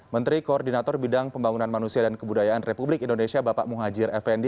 menteri koordinator bidang pembangunan manusia dan kebudayaan republik indonesia bapak muhajir effendi